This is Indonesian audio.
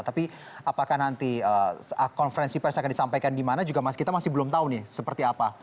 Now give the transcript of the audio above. tapi apakah nanti konferensi pers akan disampaikan di mana juga kita masih belum tahu nih seperti apa